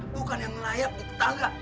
bukan yang layak di tetangga